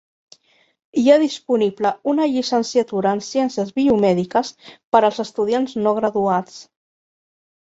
Hi ha disponible una llicenciatura en ciències biomèdiques per als estudiants no graduats.